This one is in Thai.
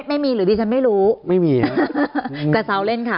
ไม่มีหรือดิฉันไม่รู้ไม่มีกระเซาเล่นค่ะ